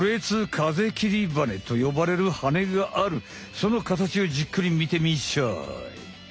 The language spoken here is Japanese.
そのかたちをじっくり見てみんしゃい。